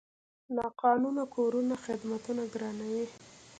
ناقانونه کورونه خدمتونه ګرانوي.